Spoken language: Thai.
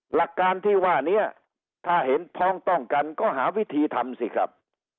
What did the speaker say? หลักการที่ว่านี้ถ้าเห็นพ้องต้องกันก็หาวิธีทำสิครับ